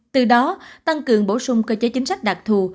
từ đó tăng cường bổ sung cơ chế chính sách đặc thù